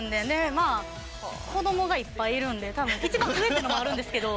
まあ子どもがいっぱいいるんで多分一番上っていうのもあるんですけど。